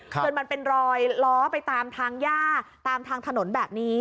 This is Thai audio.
จนมันเป็นรอยล้อไปตามทางย่าตามทางถนนแบบนี้